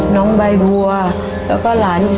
น้องบายบัวและก็หลาน๒คน